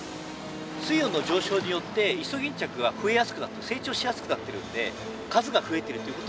水温の上昇によってイソギンチャクが増えやすくなってる成長しやすくなってるんで。